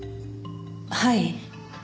はい。